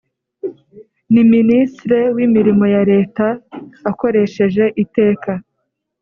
-niministre w’imirimo ya leta akoresheje iteka